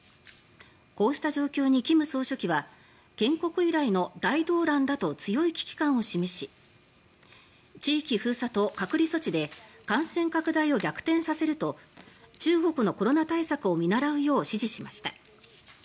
こうした状況に金総書記は建国以来の大動乱だと強い危機感を示し地域封鎖と隔離措置で感染拡大を逆転させると中国のコロナ対策を見習うよう指示しました。